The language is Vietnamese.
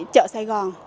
chợ sài gòn